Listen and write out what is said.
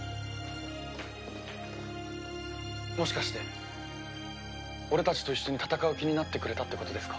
もしかして俺たちと一緒に戦う気になってくれたってことですか？